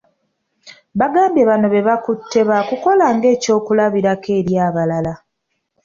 Bagambye bano bebakutte baakukola ng'ekyokulabirako eri abalala.